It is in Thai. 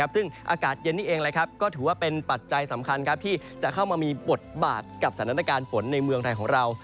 ซึ่งอากาศเย็นนี้เองก็ถือว่าเป็นปัจจัยสำคัญที่จะเข้ามามีบทบาทกับสถานการณ์ฝนในเมืองไทยของเรา